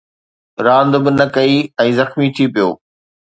راند به نه ڪئي ۽ زخمي ٿي پيو